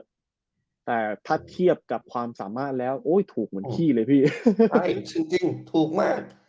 แต่ถ้าเทียบกับความสามารถแล้วโอ้ยถูกเหมือนขี้เลยพี่ใช่จริงถูกมาก